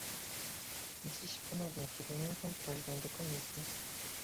Dziś ponownie kieruję tę prośbę do Komisji